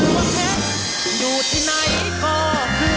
ขึ้นชื่อว่าเพชรอยู่ที่ไหนก็คือเพชร